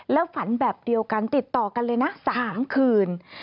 แล้วฝันแบบเดียวกันติดต่อกันเลยนะ๓คืน